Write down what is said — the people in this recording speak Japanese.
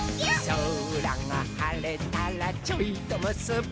「そらがはれたらちょいとむすび」